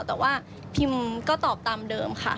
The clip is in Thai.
แต่ว่าพิมก็ตอบตามเดิมค่ะ